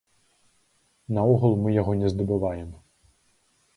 Наогул, мы яго не здабываем.